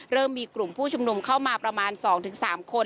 มีกลุ่มผู้ชุมนุมเข้ามาประมาณ๒๓คน